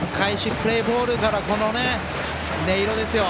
プレーボールからこの音色ですよ。